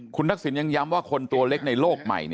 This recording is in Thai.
คุณทักษิณยังย้ำว่าคนตัวเล็กในโลกใหม่